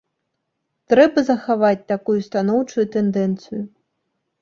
Трэба захаваць такую станоўчую тэндэнцыю.